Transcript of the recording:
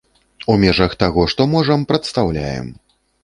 У межах таго, што можам прадастаўляем.